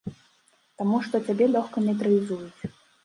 Таму што цябе лёгка нейтралізуюць.